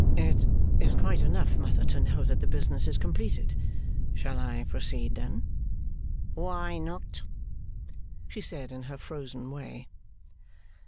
'It is quite enough, mother, to know that the business is completed. Shall I proceed then?' 'Why not?' she said, in her frozen way.